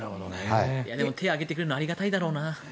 手を挙げてくれるのはありがたいだろうな。